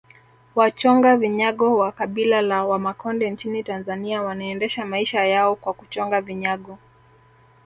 Wachonga vinyago wa kabila la Wamakonde nchini Tanzania wanaendesha maisha yao kwa kuchonga vinyago